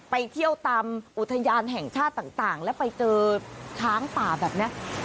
ไปเที่ยวตามอุทยานแห่งชาติต่างแล้วไปเจอช้างป่าแบบนี้